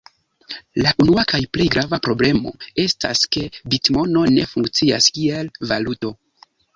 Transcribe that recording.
La unua kaj plej grava problemo estas ke bitmono ne funkcias kiel valuto.